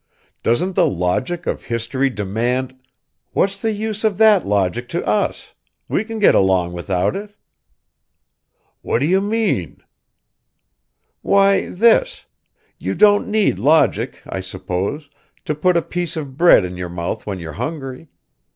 Doesn't the logic of history demand ..." "What's the use of that logic to us? We can get along without it." "What do you mean?" "Why, this. You don't need logic, I suppose, to put a piece of bread in your mouth when you're hungry.